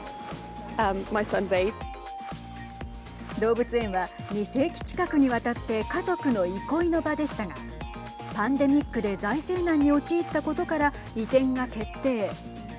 動物園は２世紀近くにわたって家族の憩いの場でしたがパンデミックで財政難に陥ったことから移転が決定。